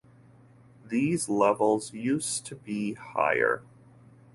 These levels used to be higher.